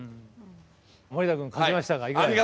森田君勝ちましたがいかがでした？